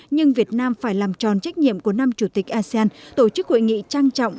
nhưng việt nam phải làm tròn trách nhiệm của năm chủ tịch asean tổ chức hội nghị trang trọng